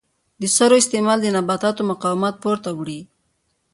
د سرو استعمال د نباتاتو مقاومت پورته وړي.